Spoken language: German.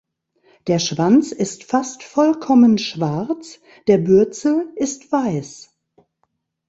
Der Schwanz ist fast vollkommen schwarz; der Bürzel ist weiß.